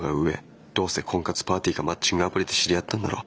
どうせ婚活パーティーかマッチングアプリで知り合ったんだろ。